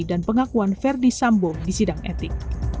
dan pengakuan verdi sambong di sidang etik